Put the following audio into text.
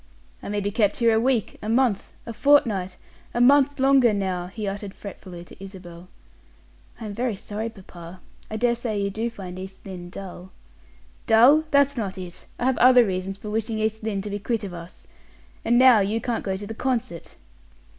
"I may be kept here a week a month a fortnight a month longer, now!" he uttered fretfully to Isabel. "I am very sorry, papa. I dare say you do find East Lynne dull." "Dull! That's not it; I have other reasons for wishing East Lynne to be quit of us. And now you can't go to the concert."